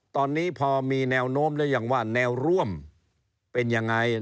ตอนนี้พอมีแนวโน้มหรือยังว่าแนวร่วมเป็นยังไง